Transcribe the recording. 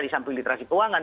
di samping literasi keuangan